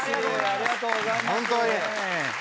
ありがとうございます。